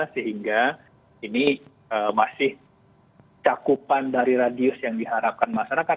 sehingga ini masih cakupan dari radius yang diharapkan masyarakat